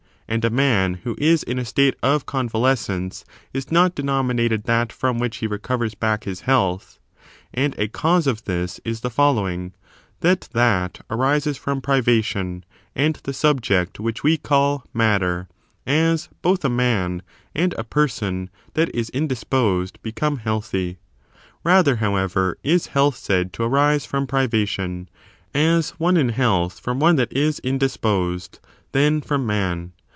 And a man who is in a state of convalescence is not denomi nated that from which he recovers back his health ; and a cause of this is the following, that that arises from privation and the subject which we call matter : as both a man and a person that is indisposed become healthy. Bather, however, is health said to arise from privation — as one in health from one that is indisposed — than from man.